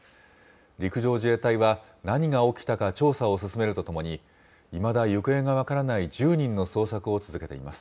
陸上自衛隊は、何が起きたか調査を進めるとともに、いまだ行方が分からない１０人の捜索を続けています。